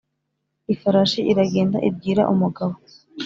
ifarashi iragenda ibwira umugabo.